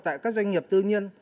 tại các doanh nghiệp tư nhiên